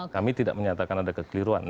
kami tidak menyatakan ada kekeliruan